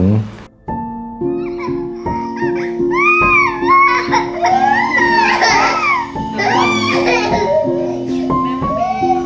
บ๊าบบายไปแล้ว